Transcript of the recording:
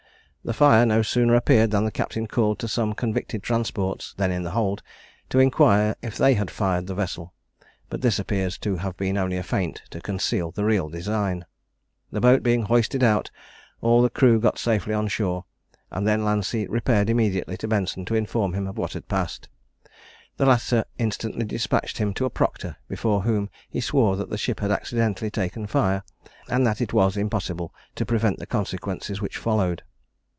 The fire no sooner appeared than the captain called to some convicted transports, then in the hold, to inquire if they had fired the vessel; but this appears to have been only a feint to conceal the real design. The boat being hoisted out, all the crew got safely on shore; and then Lancey repaired immediately to Benson to inform him of what had passed. The latter instantly despatched him to a proctor, before whom he swore that the ship had accidentally taken fire, and that it was impossible to prevent the consequences which followed.